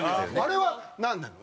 あれはなんなの？